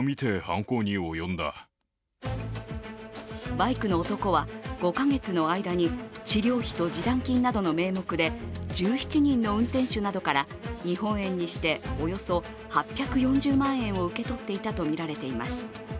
バイクの男は５か月の間に治療費と示談金などの名目で１７人の運転手などから、日本円にしておよそ８４０万円を受け取っていたとみられています。